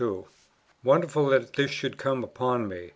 Wonderful that this should come upon me!